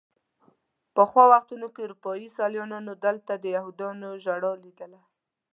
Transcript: پخوا وختونو کې اروپایي سیلانیانو دلته د یهودیانو ژړا لیدله.